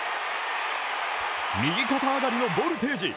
右肩上がりのボルテージ。